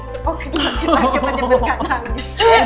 dia pakai nugget tapi bener bener kak namis